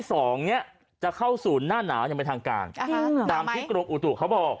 สองเนี้ยจะเข้าศูนย์หน้าหนาวยังไปทางกลางอ่าฮะตามที่กรมอุตุเขาบอก